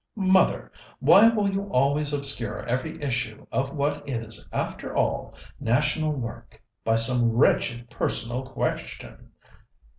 "Mother! why will you always obscure every issue of what is, after all, national work, by some wretched personal question?"